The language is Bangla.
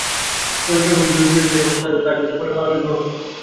নির্বাচনের ফলে যেই জয়ী হোক তাঁকে ফুলের মালা দিয়ে গ্রহণ করব।